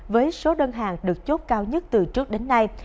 với số đơn hàng được chốt cao nhất từ trước đến nay